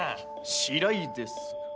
白井です。